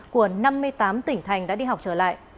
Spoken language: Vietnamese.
của năm mươi tám tỉnh thành đã đi học trở lại